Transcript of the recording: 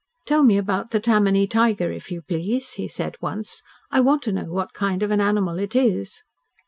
"Tell me about the Tammany Tiger, if you please," he said once. "I want to know what kind of an animal it is."